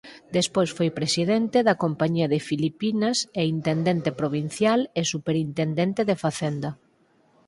Despois foi presidente da Compañía de Filipinas e intendente provincial e superintendente de Facenda.